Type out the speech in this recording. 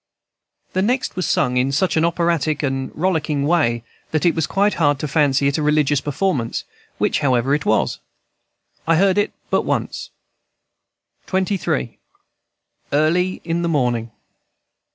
The next was sung in such an operatic and rollicking way that it was quite hard to fancy it a religious performance, which, however, it was. I heard it but once. XXIH. EARLY IN THE MORNING.